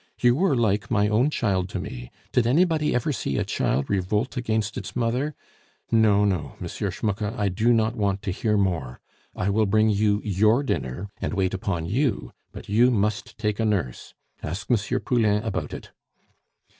You were like my own child to me; did anybody ever see a child revolt against its mother?... No, no, M. Schmucke, I do not want to hear more. I will bring you your dinner and wait upon you, but you must take a nurse. Ask M. Poulain about it."